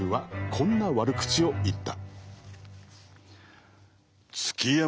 こんな悪口を言った。